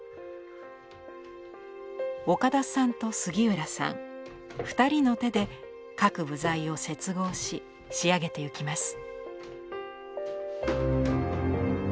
岡田さんと杉浦さん２人の手で各部材を接合し仕上げていきます。